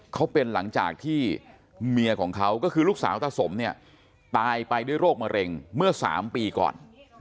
เขาเป็นหลังจากที่เมียของเขาก็คือลูกสาวตาสมตายไปด้วยโรคมะเร็งเมื่อ๓ปีก่อน